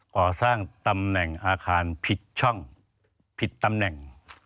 ก่อสร้างตำแหน่งอาคารผิดช่องผิดตำแหน่ง